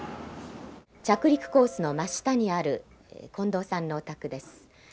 着陸コースの真下にある近藤さんのお宅です。